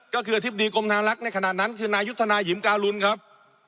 ก็คืออธิบดีกรมธนาลักษณ์ในขณะนั้นคือนายุทธนายิมการุลครับ